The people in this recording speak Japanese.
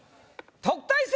特待生